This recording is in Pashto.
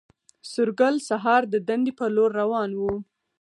سورګل سهار د دندې پر لور روان و